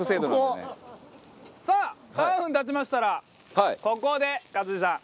さあ３分経ちましたらここで勝地さん。